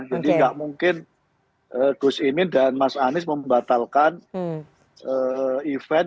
jadi nggak mungkin gus imin dan mas anies membatalkan event